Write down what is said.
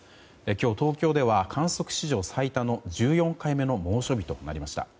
今日、東京では観測史上最多の１４回目の猛暑日となりました。